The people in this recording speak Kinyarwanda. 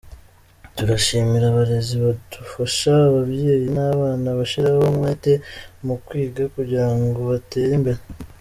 Turashimira abarezi badufasha, ababyeyi n’abana bashyiraho umwete mu kwiga kugira ngo batere imbere.